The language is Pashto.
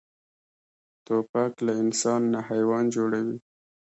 توپک له انسان نه حیوان جوړوي.